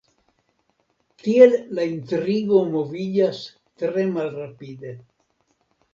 Tiel la intrigo moviĝas tre malrapide.